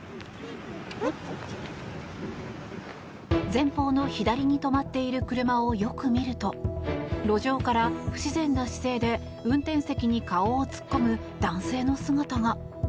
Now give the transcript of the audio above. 前方の左に止まっている車をよく見ると路上から不自然な姿勢で運転席に顔を突っ込む男性の姿が。